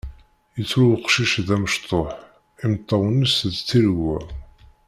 Yettru uqcic d amecṭuḥ, imeṭṭawen-is d tiregwa.